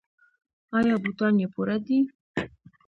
ایا بوټان یې پوره دي؟